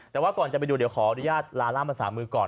แต่ว่าก่อนจะไปดูเดี๋ยวขออนุญาตลาล่ามภาษามือก่อน